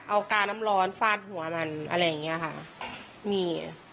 เอากาน้ำร้อนฟาดหัวมันอะไรอย่างเงี้ยค่ะมี